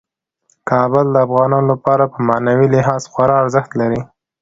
کابل د افغانانو لپاره په معنوي لحاظ خورا ارزښت لري.